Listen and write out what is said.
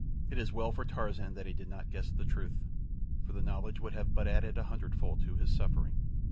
It is well for Tarzan that he did not guess the truth, for the knowledge would have but added a hundredfold to his suffering.